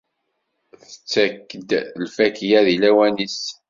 Tettak-d lfakya-s di lawan-is.